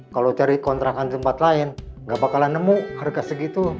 kalau cari kontrakan di tempat lain nggak bakalan nemu harga segitu